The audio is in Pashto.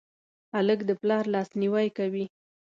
هلک د پلار لاسنیوی کوي.